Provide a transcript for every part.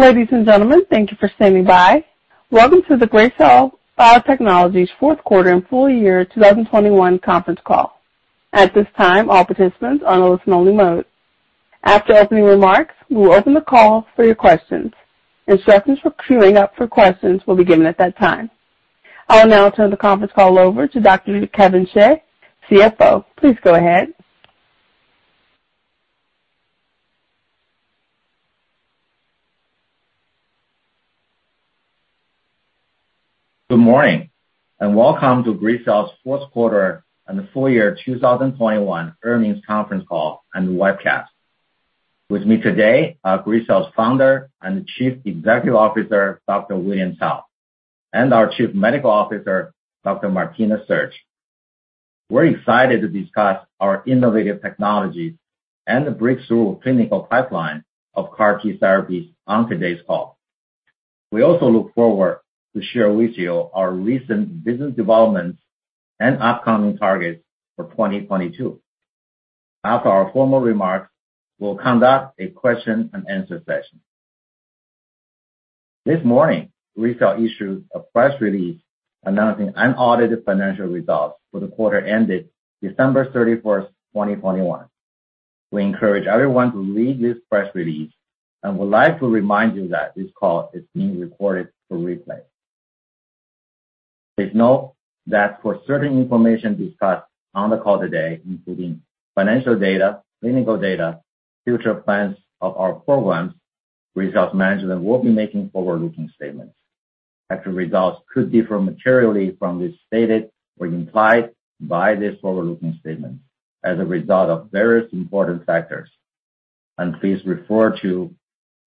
Ladies and gentlemen, thank you for standing by. Welcome to the Gracell Biotechnologies' fourth quarter and full year 2021 conference call. At this time, all participants are on listen only mode. After opening remarks, we will open the call for your questions. Instructions for queuing up for questions will be given at that time. I will now turn the conference call over to Dr. Kevin Xie, CFO. Please go ahead. Good morning, and welcome to Gracell's fourth quarter and full year 2021 earnings conference call and webcast. With me today are Gracell's founder and Chief Executive Officer, Dr. William Cao, and our Chief Medical Officer, Dr. Martina Sersch. We're excited to discuss our innovative technologies and the breakthrough clinical pipeline of CAR T therapies on today's call. We also look forward to share with you our recent business developments and upcoming targets for 2022. After our formal remarks, we'll conduct a question-and-answer session. This morning, Gracell issued a press release announcing unaudited financial results for the quarter ended December 31, 2021. We encourage everyone to read this press release and would like to remind you that this call is being recorded for replay. Please note that for certain information discussed on the call today, including financial data, clinical data, future plans of our programs, Gracell's management will be making forward-looking statements. Actual results could differ materially from this stated or implied by this forward-looking statement as a result of various important factors. Please refer to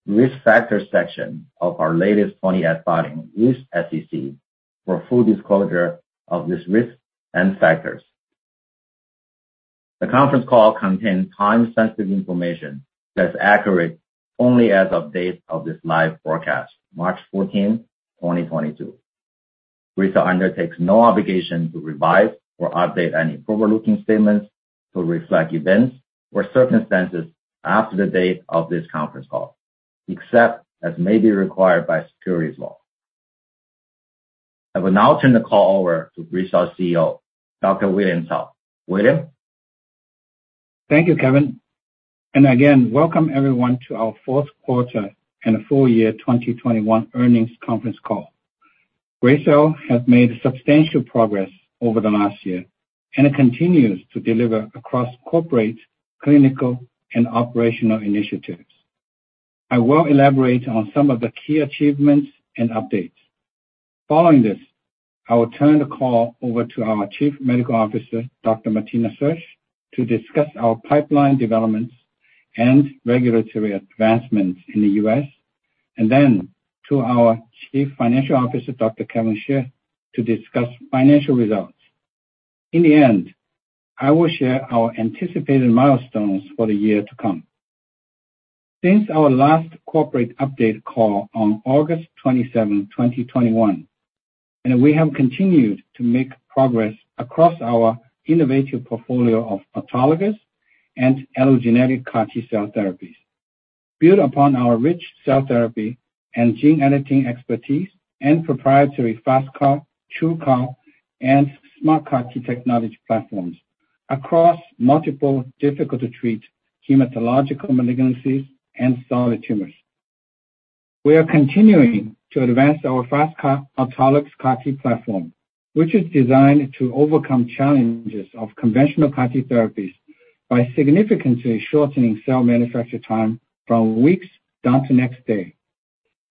risk factors section of our latest 20-F filing with SEC for full disclosure of this risk and factors. The conference call contains time-sensitive information that's accurate only as of date of this live broadcast, March 14, 2022. Gracell undertakes no obligation to revise or update any forward-looking statements to reflect events or circumstances after the date of this conference call, except as may be required by securities law. I will now turn the call over to Gracell's CEO, Dr. William Cao. William? Thank you, Kevin, and again, welcome everyone to our fourth quarter and full year 2021 earnings conference call. Gracell has made substantial progress over the last year, and it continues to deliver across corporate, clinical, and operational initiatives. I will elaborate on some of the key achievements and updates. Following this, I will turn the call over to our Chief Medical Officer, Dr. Martina Sersch, to discuss our pipeline developments and regulatory advancements in the U.S., and then to our Chief Financial Officer, Kevin Xie, to discuss financial results. In the end, I will share our anticipated milestones for the year to come. Since our last corporate update call on August 27, 2021, we have continued to make progress across our innovative portfolio of autologous and allogeneic CAR T-cell therapies. Built upon our rich cell therapy and gene editing expertise and proprietary FasTCAR, TruUCAR, and SMART CAR-T technology platforms across multiple difficult-to-treat hematological malignancies and solid tumors. We are continuing to advance our FasTCAR autologous CAR T platform, which is designed to overcome challenges of conventional CAR T therapies by significantly shortening cell manufacture time from weeks down to next day.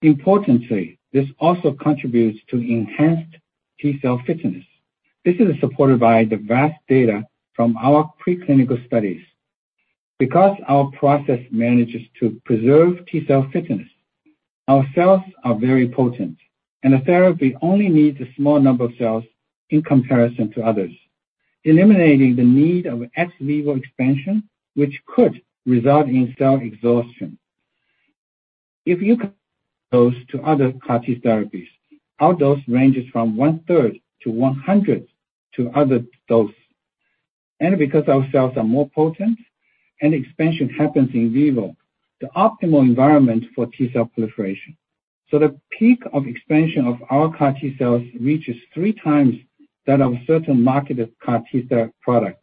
Importantly, this also contributes to enhanced T-cell fitness. This is supported by the vast data from our preclinical studies. Because our process manages to preserve T-cell fitness, our cells are very potent, and the therapy only needs a small number of cells in comparison to others, eliminating the need of ex vivo expansion, which could result in cell exhaustion. If you compare those to other CAR T therapies, our dose ranges from 1/3 to 1/100 of other dose. Because our cells are more potent and expansion happens in vivo, the optimal environment for T-cell proliferation. The peak of expansion of our CAR T-cells reaches 3 times that of certain marketed CAR T-cell products.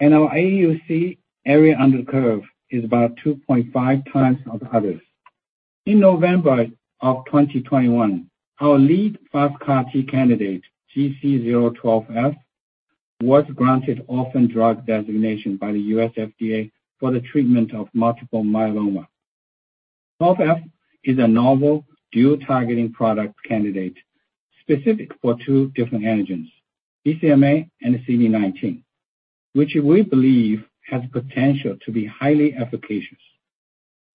Our AUC, area under curve, is about 2.5 times of others. In November of 2021, our lead FasTCAR candidate, GC012F, was granted Orphan Drug Designation by the U.S. FDA for the treatment of multiple myeloma. Twelve-F is a novel dual targeting product candidate specific for two different antigens, BCMA and CD19, which we believe has potential to be highly efficacious.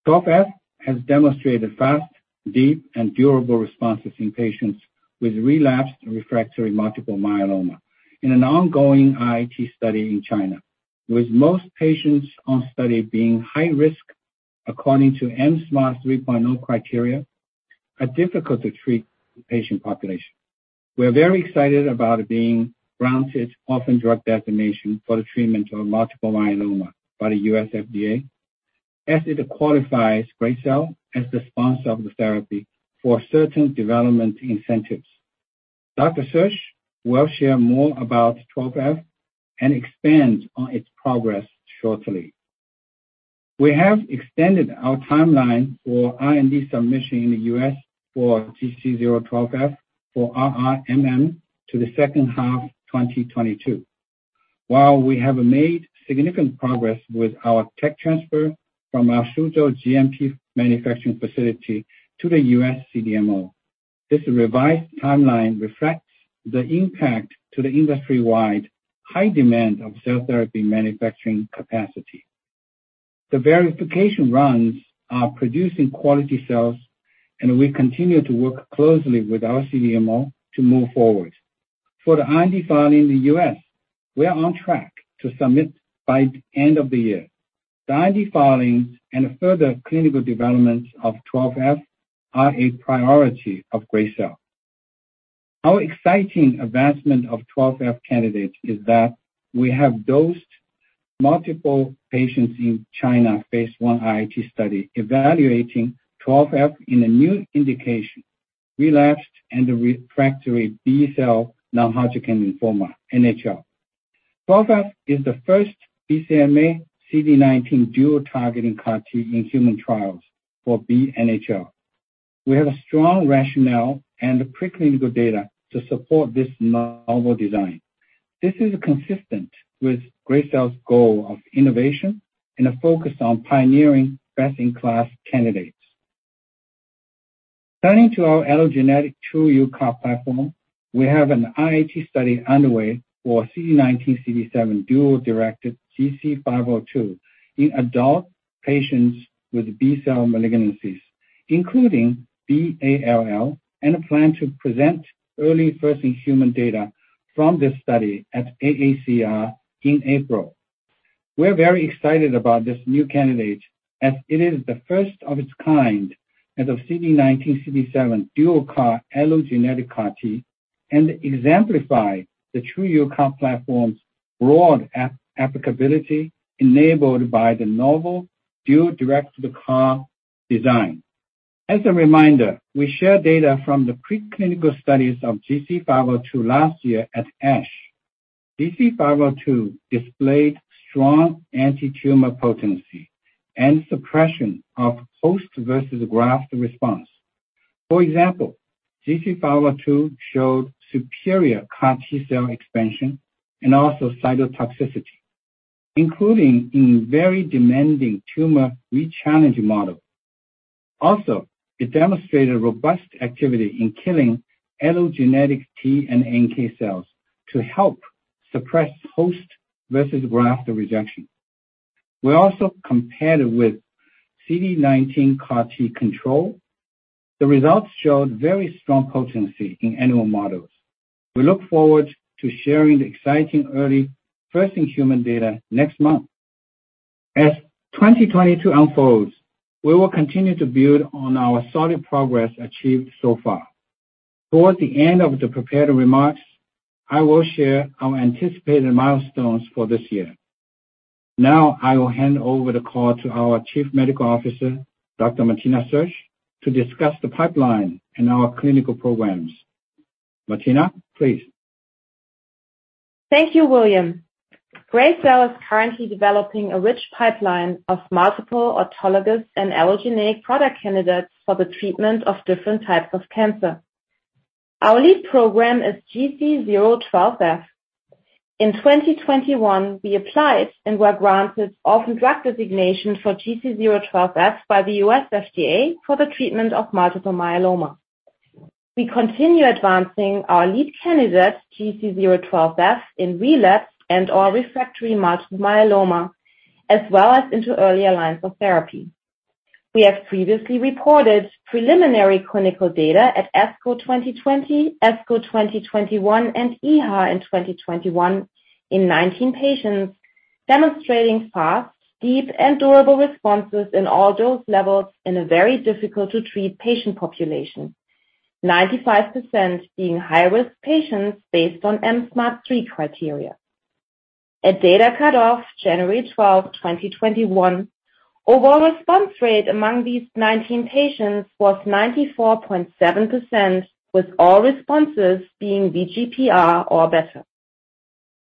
Twelve-F has demonstrated fast, deep, and durable responses in patients with relapsed refractory multiple myeloma in an ongoing IIT study in China, with most patients on study being high risk according to mSMART 3.0 criteria. A difficult to treat patient population. We're very excited about it being granted Orphan Drug Designation for the treatment of multiple myeloma by the U.S. FDA, as it qualifies Gracell as the sponsor of the therapy for certain development incentives. Dr. Sersch will share more about GC012F and expand on its progress shortly. We have extended our timeline for IND submission in the U.S. for GC012F for RRMM to the second half of 2022. While we have made significant progress with our tech transfer from our Suzhou GMP manufacturing facility to the U.S. CDMO, this revised timeline reflects the impact to the industry-wide high demand of cell therapy manufacturing capacity. The verification runs are producing quality cells, and we continue to work closely with our CDMO to move forward. For the IND filing in the U.S., we are on track to submit by end of the year. The IND filings and further clinical developments of GC012F are a priority of Gracell. Our exciting advancement of GC012F candidate is that we have dosed multiple patients in China phase I IIT study evaluating GC012F in a new indication, relapsed and refractory B-cell non-Hodgkin lymphoma, NHL. GC012F is the first BCMA / CD19 dual-targeting CAR-T in human trials for BNHL. We have a strong rationale and preclinical data to support this novel design. This is consistent with Gracell's goal of innovation and a focus on pioneering best-in-class candidates. Turning to our allogeneic TruUCAR platform, we have an IIT study underway for CD19 / CD7 dual-directed GC502 in adult patients with B-cell malignancies, including B-ALL, and a plan to present early first-in-human data from this study at AACR in April. We're very excited about this new candidate as it is the first of its kind as a CD19, CD7 dual-directed allogeneic CAR-T, and exemplifies the TruUCAR platform's broad applicability enabled by the novel dual-directed CAR design. As a reminder, we shared data from the preclinical studies of GC502 last year at ASH. GC502 displayed strong antitumor potency and suppression of host versus graft response. For example, GC502 showed superior CAR T-cell expansion and also cytotoxicity, including in very demanding tumor rechallenge model. It demonstrated robust activity in killing allogeneic T and NK cells to help suppress host versus graft rejection. We also compared it with CD19 CAR T control. The results showed very strong potency in animal models. We look forward to sharing the exciting early first-in-human data next month. As 2022 unfolds, we will continue to build on our solid progress achieved so far. Towards the end of the prepared remarks, I will share our anticipated milestones for this year. Now I will hand over the call to our Chief Medical Officer, Dr. Martina Sersch, to discuss the pipeline and our clinical programs. Martina, please. Thank you, William. Gracell is currently developing a rich pipeline of multiple autologous and allogeneic product candidates for the treatment of different types of cancer. Our lead program is GC012F. In 2021, we applied and were granted Orphan Drug Designation for GC012F by the U.S. FDA for the treatment of multiple myeloma. We continue advancing our lead candidate, GC012F, in relapse and/or refractory multiple myeloma, as well as into earlier lines of therapy. We have previously reported preliminary clinical data at ASCO 2020, ASCO 2021, and EHA in 2021 in 19 patients, demonstrating fast, deep, and durable responses in all dose levels in a very difficult to treat patient population, 95% being high-risk patients based on mSMART 3.0 criteria. At data cutoff January 12, 2021, overall response rate among these 19 patients was 94.7%, with all responses being VGPR or better.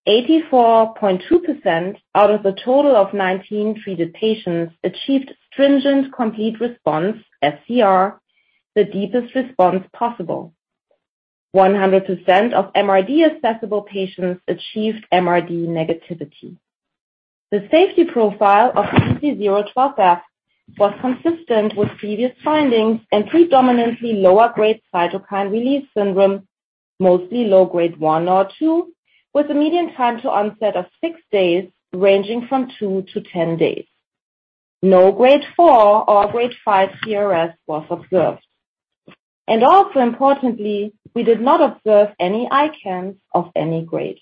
84.2% out of the total of 19 treated patients achieved stringent complete response, sCR, the deepest response possible. 100% of MRD-assessable patients achieved MRD negativity. The safety profile of GC012F was consistent with previous findings and predominantly lower grade cytokine release syndrome, mostly low grade 1 or 2, with a median time to onset of 6 days, ranging from 2-10 days. No grade 4 or 5 CRS was observed. Also importantly, we did not observe any ICANS of any grade.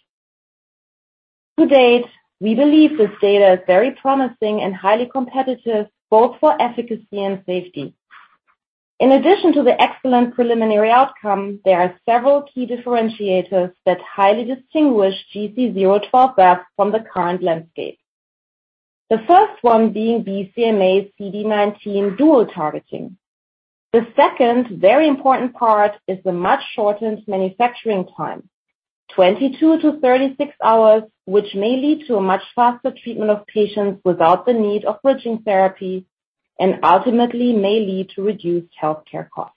To date, we believe this data is very promising and highly competitive both for efficacy and safety. In addition to the excellent preliminary outcome, there are several key differentiators that highly distinguish GC012F from the current landscape. The first one being BCMA CD19 dual targeting. The second very important part is the much shortened manufacturing time, 22-36 hours, which may lead to a much faster treatment of patients without the need of bridging therapy and ultimately may lead to reduced healthcare costs.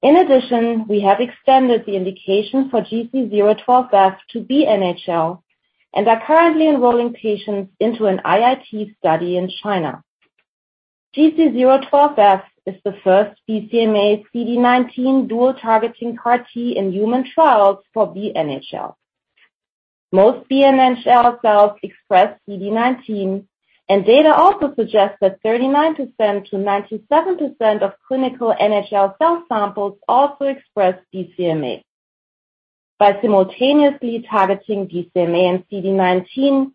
In addition, we have extended the indication for GC012F to be NHL and are currently enrolling patients into an IIT study in China. GC012F is the first BCMA CD19 dual-targeting CAR-T in human trials for BNHL. Most BNHL cells express CD19 and data also suggests that 39%-97% of clinical NHL cell samples also express BCMA. By simultaneously targeting BCMA and CD19,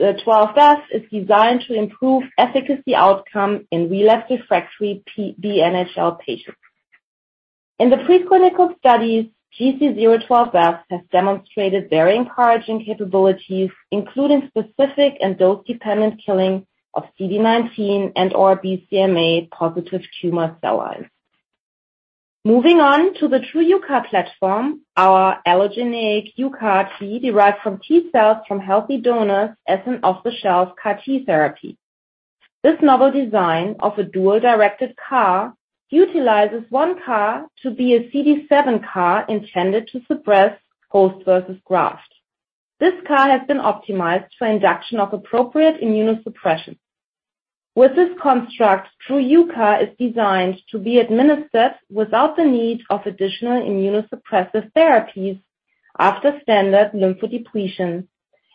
GC012F is designed to improve efficacy outcome in relapsed refractory B-NHL patients. In the preclinical studies, GC012F has demonstrated very encouraging capabilities, including specific and dose-dependent killing of CD19 and/or BCMA-positive tumor cell lines. Moving on to the TruUCAR platform, our allogeneic UCAR T derived from T-cells from healthy donors as an off-the-shelf CAR T therapy. This novel design of a dual-directed CAR utilizes one CAR to be a CD7 CAR intended to suppress host versus graft. This CAR has been optimized for induction of appropriate immunosuppression. With this construct, TruUCAR is designed to be administered without the need of additional immunosuppressive therapies after standard lymphodepletion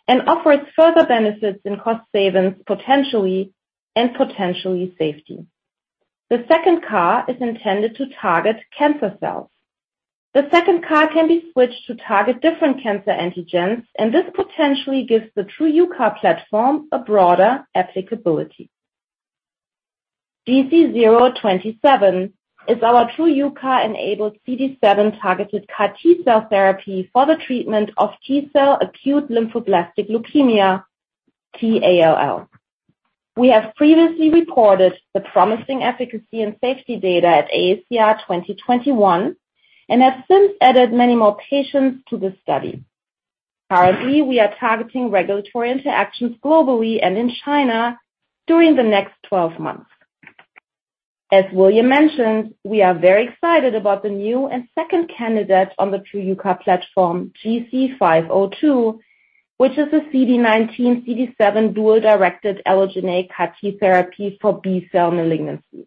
and offers further benefits in cost savings potentially, and potentially safety. The second CAR is intended to target cancer cells. The second CAR can be switched to target different cancer antigens, and this potentially gives the TruUCAR platform a broader applicability. GC027 is our TruUCAR-enabled CD7-targeted CAR T-cell therapy for the treatment of T-cell acute lymphoblastic leukemia, T-ALL. We have previously reported the promising efficacy and safety data at AACR 2021 and have since added many more patients to the study. Currently, we are targeting regulatory interactions globally and in China during the next 12 months. As William mentioned, we are very excited about the new and second candidate on the TruUCAR platform, GC502, which is a CD19, CD7 dual-directed allogeneic CAR T therapy for B-cell malignancies.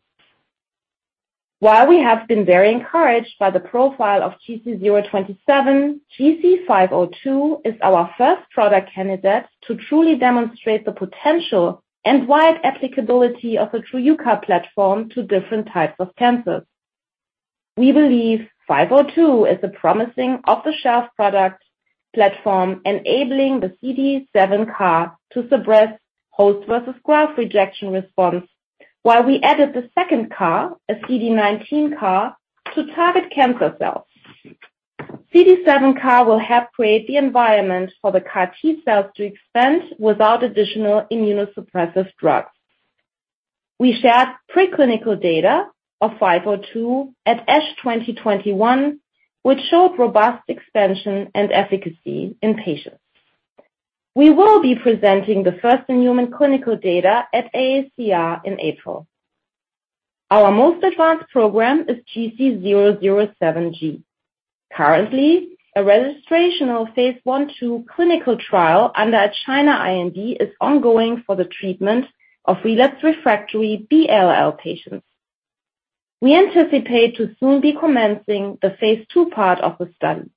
While we have been very encouraged by the profile of GC027, GC502 is our first product candidate to truly demonstrate the potential and wide applicability of the TruUCAR platform to different types of cancers. We believe GC502 is a promising off-the-shelf product platform enabling the CD7 CAR to suppress host versus graft rejection response, while we added the second CAR, a CD19 CAR, to target cancer cells. CD7 CAR will help create the environment for the CAR T-cells to expand without additional immunosuppressive drugs. We shared preclinical data of GC502 at ASH 2021, which showed robust expansion and efficacy in patients. We will be presenting the first-in-human clinical data at AACR in April. Our most advanced program is GC007g. Currently, a registrational phase I/II clinical trial under a China IND is ongoing for the treatment of relapsed/refractory B-ALL patients. We anticipate to soon be commencing the phase II part of the study.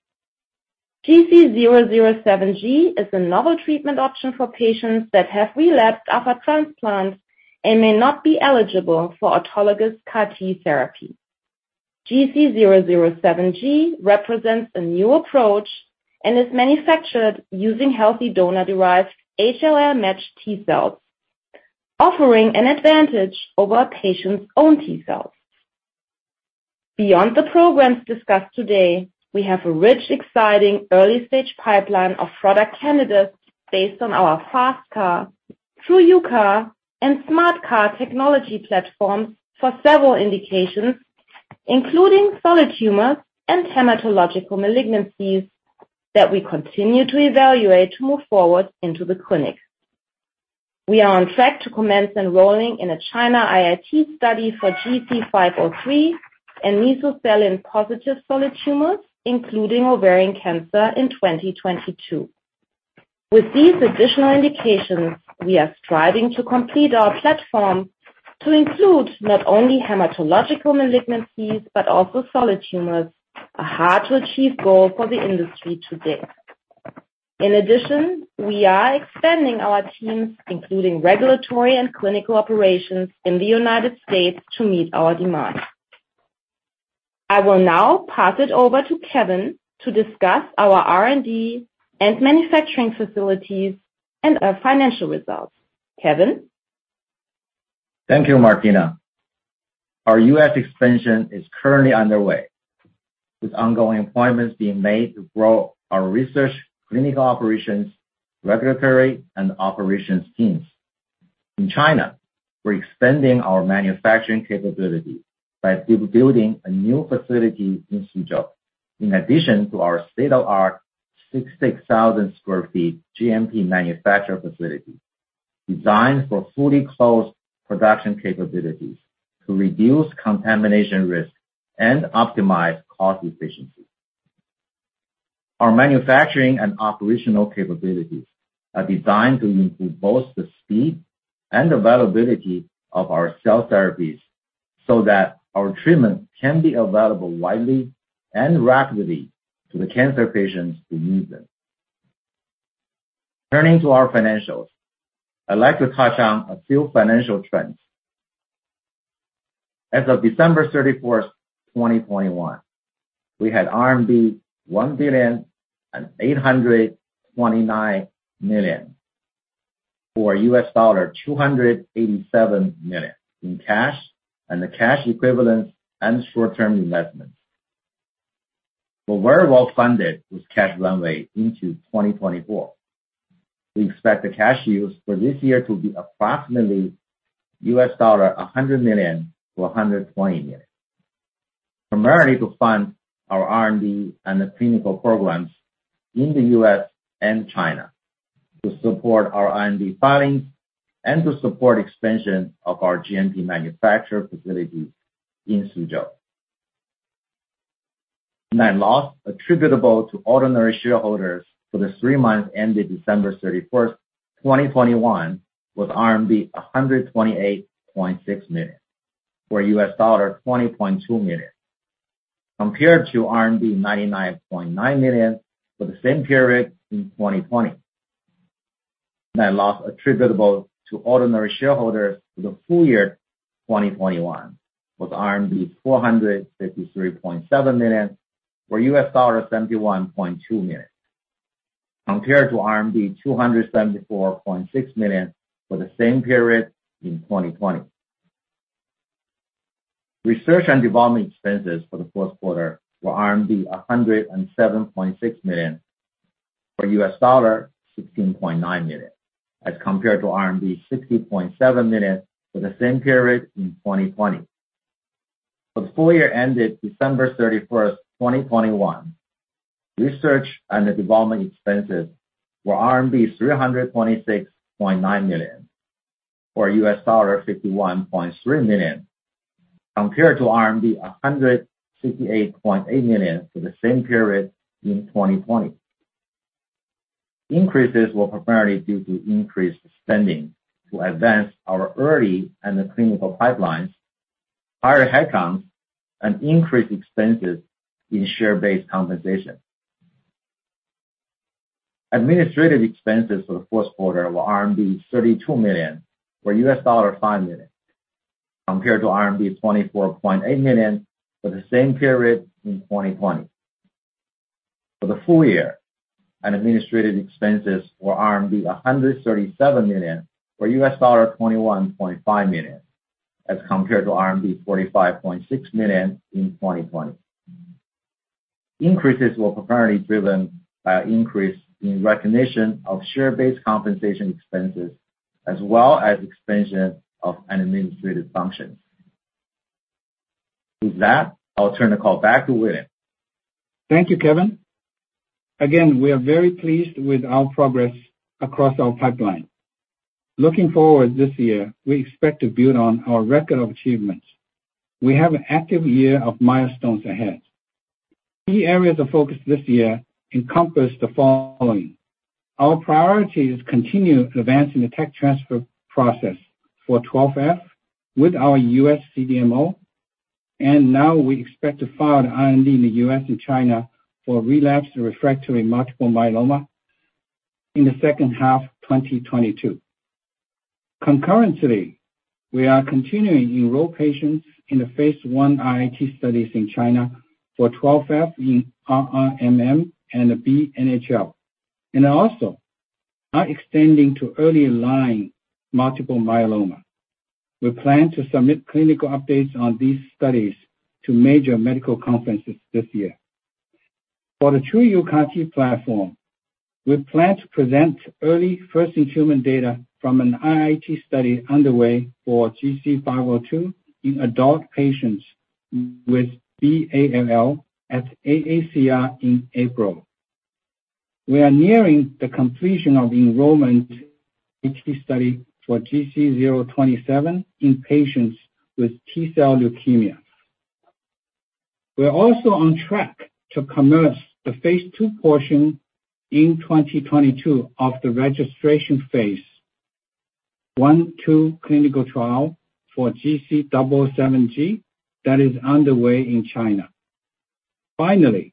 GC007g is a novel treatment option for patients that have relapsed after transplant and may not be eligible for autologous CAR T therapy. GC007g represents a new approach and is manufactured using healthy donor-derived HLA-matched T-cells, offering an advantage over a patient's own T-cells. Beyond the programs discussed today, we have a rich, exciting early-stage pipeline of product candidates based on our FasTCAR, TruUCAR, and SMART CAR technology platforms for several indications, including solid tumors and hematological malignancies that we continue to evaluate to move forward into the clinic. We are on track to commence enrolling in a China IIT study for GC503 and mesothelin-positive solid tumors, including ovarian cancer in 2022. With these additional indications, we are striving to complete our platform to include not only hematological malignancies, but also solid tumors, a hard-to-achieve goal for the industry today. In addition, we are expanding our teams, including regulatory and clinical operations in the United States to meet our demands. I will now pass it over to Kevin to discuss our R&D and manufacturing facilities and our financial results. Kevin? Thank you, Martina. Our U.S. expansion is currently underway, with ongoing appointments being made to grow our research, clinical operations, regulatory, and operations teams. In China, we're expanding our manufacturing capability by building a new facility in Suzhou, in addition to our state-of-the-art 66,000 sq ft GMP manufacturing facility, designed for fully closed production capabilities to reduce contamination risk and optimize cost efficiency. Our manufacturing and operational capabilities are designed to improve both the speed and availability of our cell therapies so that our treatment can be available widely and rapidly to the cancer patients who need them. Turning to our financials, I'd like to touch on a few financial trends. As of December 31, 2021, we had RMB 1.829 billion, or $287 million in cash and cash equivalents and short-term investments. We're very well funded with cash runway into 2024. We expect the cash use for this year to be approximately $100 million-$120 million, primarily to fund our R&D and the clinical programs in the U.S. and China to support our R&D filings and to support expansion of our GMP manufacturer facilities in Suzhou. Net loss attributable to ordinary shareholders for the three months ended December 31, 2021, was 128.6 million, or $20.2 million, compared to RMB 99.9 million for the same period in 2020. Net loss attributable to ordinary shareholders for the full year 2021 was RMB 453.7 million, or $71.2 million, compared to RMB 274.6 million for the same period in 2020. Research and development expenses for the fourth quarter were RMB 107.6 million, or $16.9 million, as compared to RMB 60.7 million for the same period in 2020. For the full year ended December 31, 2021, research and development expenses were RMB 326.9 million, or $51.3 million, compared to RMB 168.8 million for the same period in 2020. Increases were primarily due to increased spending to advance our early and the clinical pipelines, higher headcounts, and increased expenses in share-based compensation. Administrative expenses for the fourth quarter were RMB 32 million, or $5 million, compared to RMB 24.8 million for the same period in 2020. For the full year, administrative expenses were RMB 137 million, or $21.5 million, as compared to RMB 45.6 million in 2020. Increases were primarily driven by increase in recognition of share-based compensation expenses as well as expansion of an administrative function. With that, I'll turn the call back to William. Thank you, Kevin. Again, we are very pleased with our progress across our pipeline. Looking forward this year, we expect to build on our record of achievements. We have an active year of milestones ahead. Key areas of focus this year encompass the following. Our priority is continue advancing the tech transfer process for GC012F with our U.S. CDMO, and now we expect to file an IND in the U.S. and China for relapsed refractory multiple myeloma in the second half 2022. Concurrently, we are continuing to enroll patients in the phase I IIT studies in China for GC012F in RRMM and BNHL, and also are extending to early line multiple myeloma. We plan to submit clinical updates on these studies to major medical conferences this year. For the TruUCAR platform, we plan to present early first-in-human data from an IIT study underway for GC502 in adult patients with B-ALL at AACR in April. We are nearing the completion of enrollment in the study for GC027 in patients with T-cell leukemia. We are also on track to commence the phase II portion in 2022 of the registration phase I/II clinical trial for GC007g that is underway in China. Finally,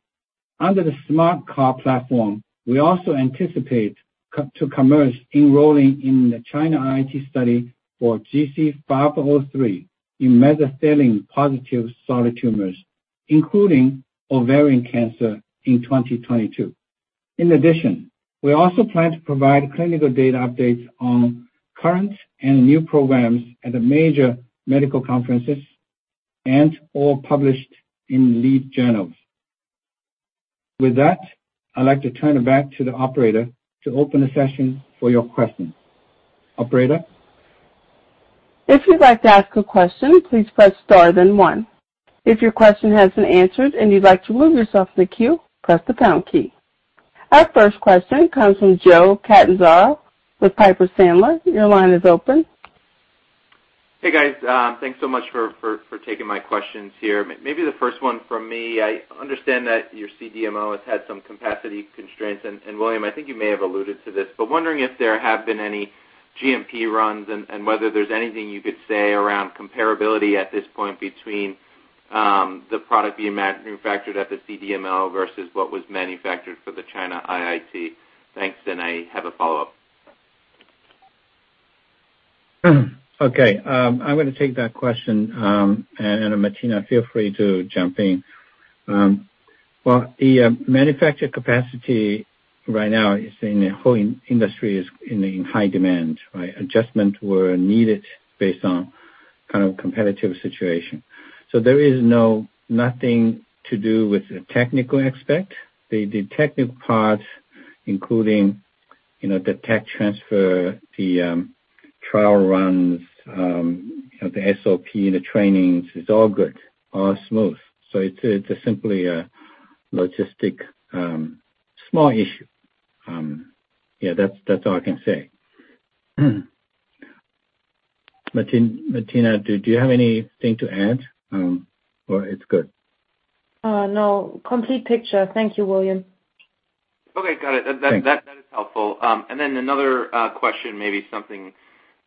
under the SMART CAR platform, we also anticipate to commence enrolling in the China IIT study for GC503 in mesothelin-positive solid tumors, including ovarian cancer in 2022. In addition, we also plan to provide clinical data updates on current and new programs at the major medical conferences and/or published in leading journals. With that, I'd like to turn it back to the operator to open a session for your questions. Operator? Our first question comes from Joe Catanzaro with Piper Sandler. Your line is open. Hey, guys. Thanks so much for taking my questions here. Maybe the first one from me, I understand that your CDMO has had some capacity constraints, and William, I think you may have alluded to this, but wondering if there have been any GMP runs and whether there's anything you could say around comparability at this point between the product being manufactured at the CDMO versus what was manufactured for the China IIT. Thanks, and I have a follow-up. I'm gonna take that question, and Martina feel free to jump in. Well, the manufacturing capacity right now is in the whole industry is in high demand, right? Adjustments were needed based on kind of competitive situation. So there is nothing to do with the technical aspect. The technical part, including, you know, the tech transfer, the trial runs, you know, the SOP and the trainings is all good, all smooth. So it's simply a logistic small issue. Yeah, that's all I can say. Martina, do you have anything to add, or it's good? No. Complete picture. Thank you, William. Okay. Got it. Thanks. That is helpful. Another question, maybe something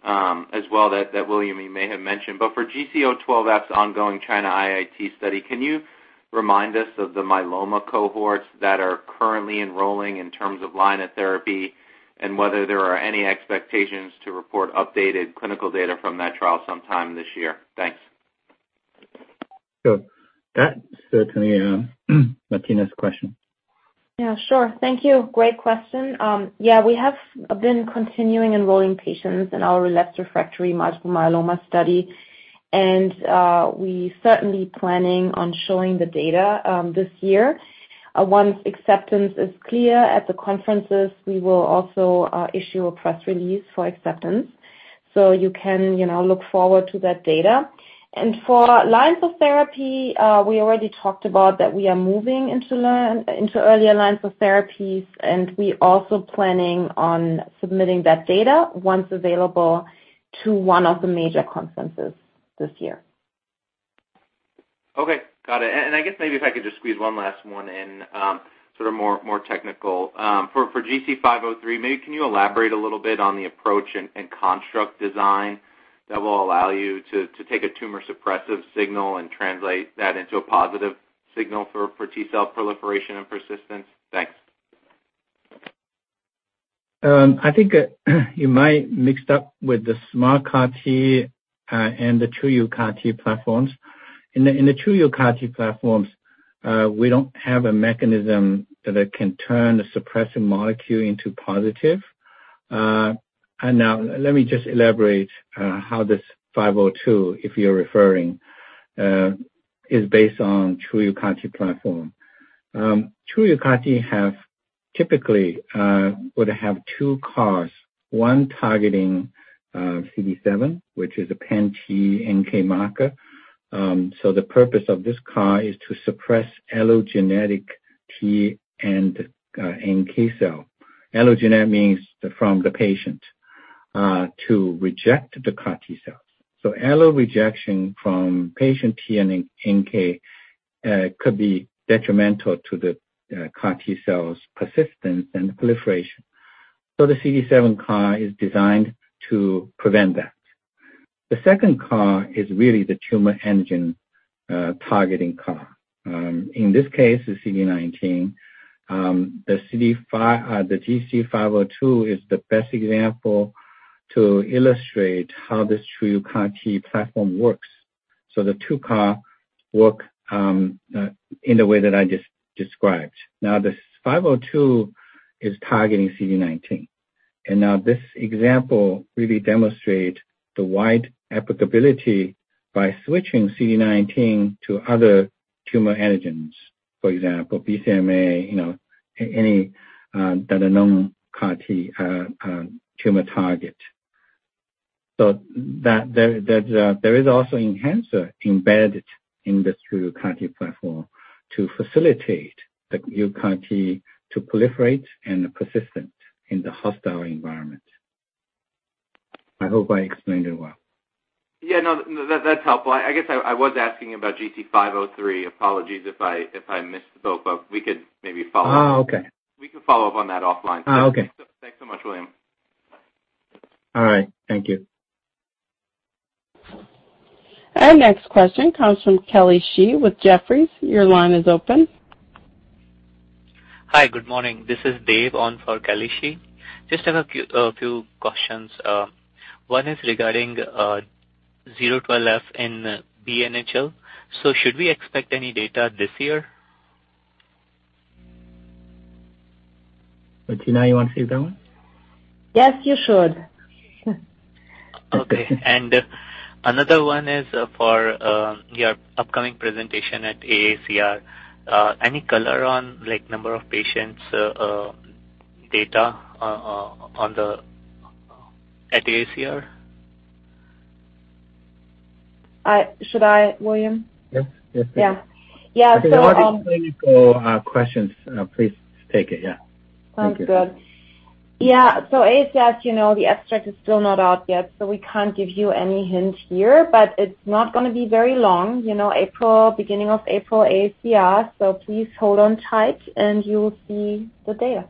as well that William, you may have mentioned. For GC012F's ongoing China IIT study, can you remind us of the myeloma cohorts that are currently enrolling in terms of line of therapy, and whether there are any expectations to report updated clinical data from that trial sometime this year? Thanks. Sure. That certainly, Martina's question. Yeah, sure. Thank you. Great question. Yeah, we have been continuing enrolling patients in our relapsed refractory multiple myeloma study, and we certainly planning on showing the data this year. Once acceptance is clear at the conferences, we will also issue a press release for acceptance. So you can, you know, look forward to that data. For lines of therapy, we already talked about that we are moving into earlier lines of therapies, and we also planning on submitting that data once available to one of the major conferences this year. Okay. Got it. I guess maybe if I could just squeeze one last one in, sort of more technical. For GC503, maybe can you elaborate a little bit on the approach and construct design that will allow you to take a tumor-suppressive signal and translate that into a positive signal for T-cell proliferation and persistence? Thanks. I think you might have mixed up with the SMART CAR-T and the TruUCAR platforms. In the TruUCAR platforms, we don't have a mechanism that can turn a suppressor molecule into positive. Now let me just elaborate how this GC502, if you're referring, is based on TruUCAR platform. TruUCAR typically would have two CARs, one targeting CD7, which is a pan T/NK marker. So the purpose of this CAR is to suppress allogeneic T and NK cell. Allogeneic means from the patient to reject the CAR-T cells. So allo rejection from patient T and NK could be detrimental to the CAR-T cells' persistence and proliferation. So the CD7 CAR is designed to prevent that. The second CAR is really the tumor engine, targeting CAR. In this case, the CD19. The GC502 is the best example to illustrate how this TruUCAR platform works. The two CAR work in the way that I just described. Now, this 502 is targeting CD19. This example really demonstrates the wide applicability by switching CD19 to other tumor antigens. For example, BCMA, you know, any that are known CAR T tumor targets. There is also enhancer embedded in this TruUCAR platform to facilitate the TruUCAR to proliferate and persist in the hostile environment. I hope I explained it well. Yeah, no, that's helpful. I guess I was asking about GC503. Apologies if I missed both, but we could maybe follow up. Oh, okay. We can follow up on that offline. Oh, okay. All right. Thank you. Our next question comes from Kelly Shi with Jefferies. Your line is open. Hi, good morning. This is Dave on for Kelly Shi. I just have a few questions. One is regarding GC012F in BNHL. Should we expect any data this year? Tina, you want to take that one? Yes, you should. Okay. Another one is for your upcoming presentation at AACR. Any color on, like, number of patients, data at AACR? Should I, William? Yes. Yes, please. Yeah. Yeah. If you want to explain it for questions, please take it. Yeah. Thank you. Sounds good. Yeah. AACR, as you know, the abstract is still not out yet, so we can't give you any hint here, but it's not gonna be very long, you know, April, beginning of April, AACR. Please hold on tight, and you will see the data.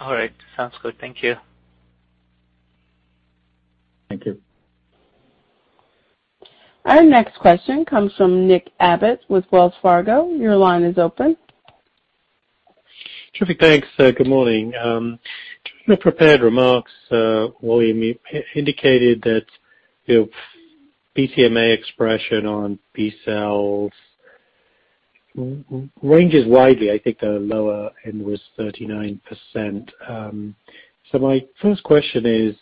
All right. Sounds good. Thank you. Thank you. Our next question comes from Nick Abbott with Wells Fargo. Your line is open. Terrific. Thanks. Good morning. In the prepared remarks, William, you indicated that, you know, BCMA expression on B cells ranges widely. I think the lower end was 39%. So my first question is,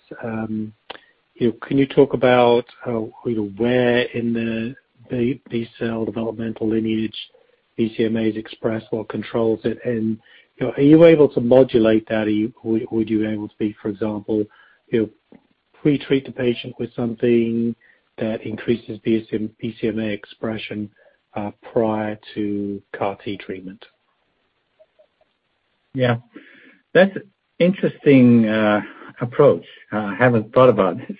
you know, can you talk about, you know, where in the B cell developmental lineage BCMA is expressed or controls it? And, you know, are you able to modulate that? Would you be able to, for example, you know, pre-treat the patient with something that increases BCMA expression prior to CAR T treatment? Yeah. That's an interesting approach. I haven't thought about this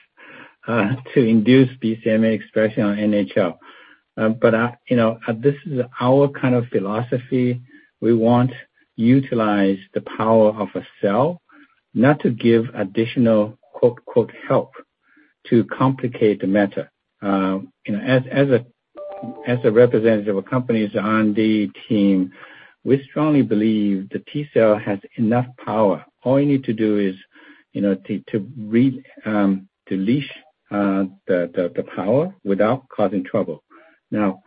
to induce BCMA expression on NHL. I, you know, this is our kind of philosophy. We want to utilize the power of a cell, not to give additional quote, help to complicate the matter. You know, as a representative of the company on the team, we strongly believe the T-cell has enough power. All you need to do is, you know, to unleash the power without causing trouble. N ow,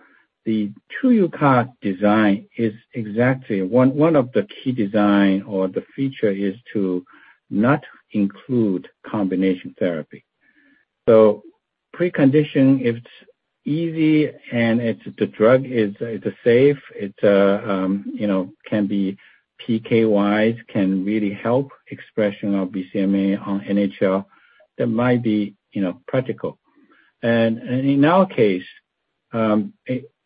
the TruUCAR design is exactly one of the key design or the feature is to not include combination therapy. So preconditioning, it's easy and the drug is safe. It, you know, can be PK wise, can really help expression of BCMA on NHL. That might be, you know, practical. In our case,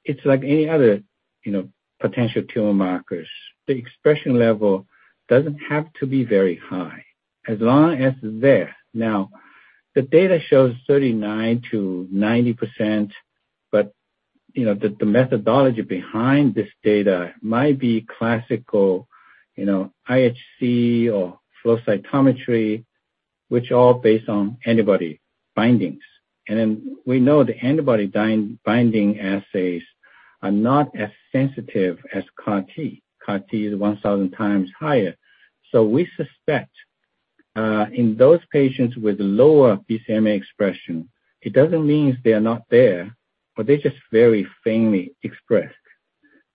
it's like any other, you know, potential tumor markers. The expression level doesn't have to be very high as long as it's there. Now the data shows 39%-90%, but, you know, the methodology behind this data might be classical, you know, IHC or flow cytometry, which all based on antibody bindings. We know the antibody binding assays are not as sensitive as CAR T. CAR T is 1,000 times higher. We suspect in those patients with lower BCMA expression, it doesn't mean they are not there, but they're just very faintly expressed.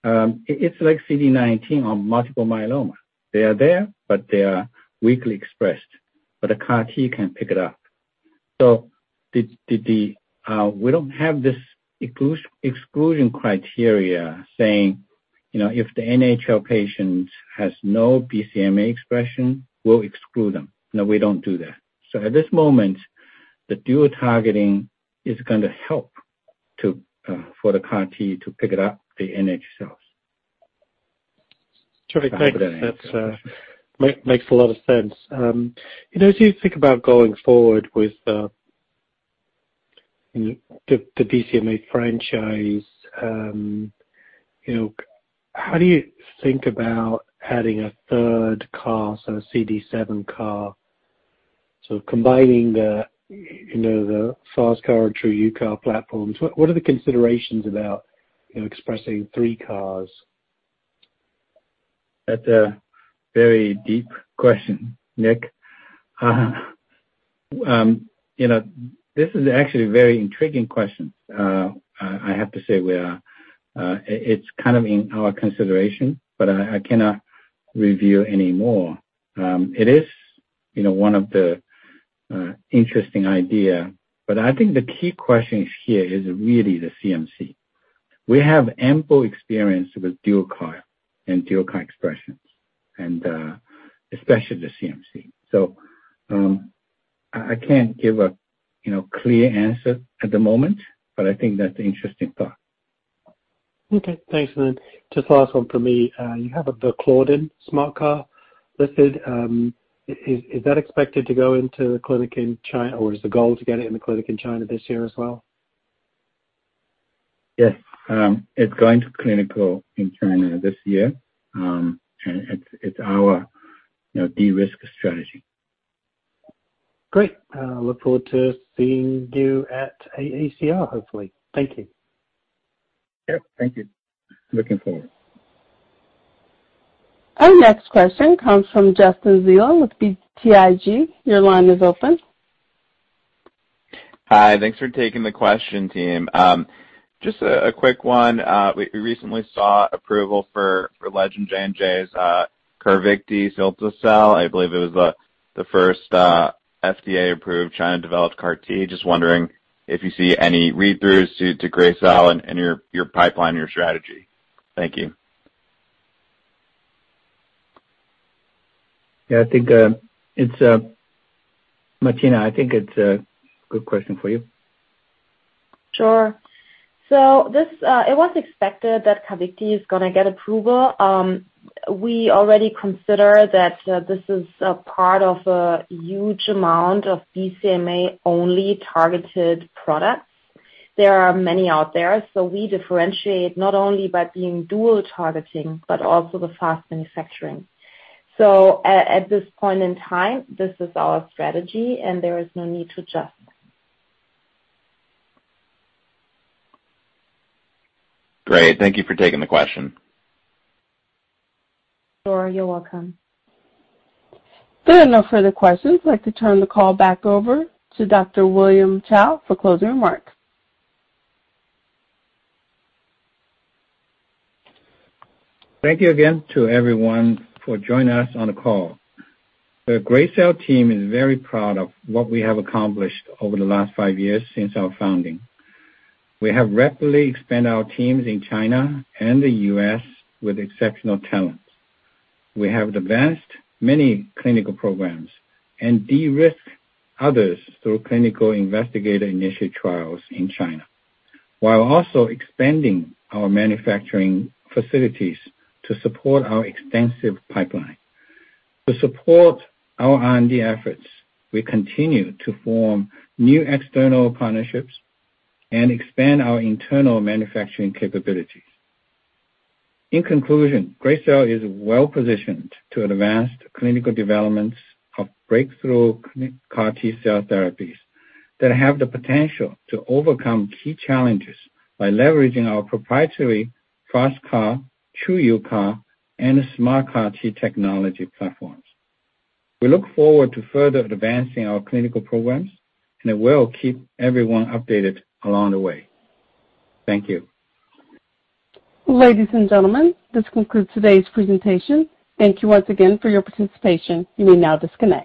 It's like CD19 on multiple myeloma. They are there, but they are weakly expressed, but a CAR T can pick it up. We don't have this exclusion criteria saying, you know, if the NHL patient has no BCMA expression, we'll exclude them. No, we don't do that. At this moment, the dual targeting is gonna help to, for the CAR T to pick it up the NHL cells. Terrific. Thanks. I hope that answers. That makes a lot of sense. You know, as you think about going forward with the BCMA franchise, you know, how do you think about adding a third CAR, so a CD7 CAR, sort of combining the FasTCAR and TruUCAR platforms? What are the considerations about, you know, expressing three CARs? That's a very deep question, Nick. You know, this is actually a very intriguing question. I have to say we are, it's kind of in our consideration, but I cannot reveal any more. It is, you know, one of the interesting idea. But I think the key question here is really the CMC. We have ample experience with dual CAR and dual CAR expressions and, especially the CMC. So, I can't give a, you know, clear answer at the moment, but I think that's an interesting thought. Okay. Thanks. Just last one for me. You have a claudin SMART CART listed. Is that expected to go into the clinic in China, or is the goal to get it in the clinic in China this year as well? Yes. It's going to clinical in China this year. It's our, you know, de-risk strategy. Great. Look forward to seeing you at AACR, hopefully. Thank you. Yep. Thank you. Looking forward. Our next question comes from Justin Zillo with BTIG. Your line is open. Hi. Thanks for taking the question, team. Just a quick one. We recently saw approval for Legend J&J's Carvykti cilta-cel. I believe it was the first FDA-approved China-developed CAR T. Just wondering if you see any read-throughs to Gracell in your pipeline, your strategy. Thank you. Yeah, Martina, I think it's a good question for you. Sure. It was expected that Carvykti is gonna get approval. We already consider that this is a part of a huge amount of BCMA-only targeted products. There are many out there, so we differentiate not only by being dual targeting, but also the fast manufacturing. At this point in time, this is our strategy, and there is no need to adjust. Great. Thank you for taking the question. Sure. You're welcome. There are no further questions. I'd like to turn the call back over to Dr. William Cao for closing remarks. Thank you again to everyone for joining us on the call. The Gracell team is very proud of what we have accomplished over the last five years since our founding. We have rapidly expanded our teams in China and the U.S. with exceptional talents. We have advanced many clinical programs and de-risked others through clinical investigator-initiated trials in China, while also expanding our manufacturing facilities to support our extensive pipeline. To support our R&D efforts, we continue to form new external partnerships and expand our internal manufacturing capabilities. In conclusion, Gracell is well-positioned to advance clinical developments of breakthrough CAR T-cell therapies that have the potential to overcome key challenges by leveraging our proprietary FasTCAR, TruUCAR, and SMART CAR technology platforms. We look forward to further advancing our clinical programs, and I will keep everyone updated along the way. Thank you. Ladies and gentlemen, this concludes today's presentation. Thank you once again for your participation. You may now disconnect.